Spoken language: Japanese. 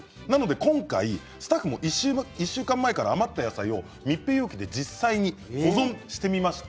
今回、スタッフも１週間前から余った野菜を密閉容器で実際に保存してみました。